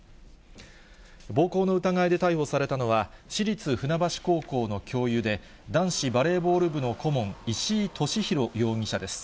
暴行の疑いで逮捕されたのは、市立船橋高校の教諭で、男子バレーボール部の顧問、石井利広容疑者です。